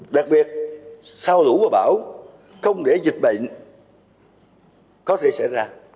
đặc biệt sao lũ và bão không để dịch bệnh có thể xảy ra